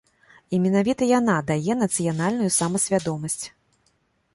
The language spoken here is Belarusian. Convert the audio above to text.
І менавіта яна дае нацыянальную самасвядомасць.